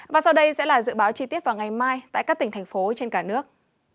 và sau đây sẽ là dự báo chi tiết vào ngày mai tại các tỉnh thành phố trên cả nước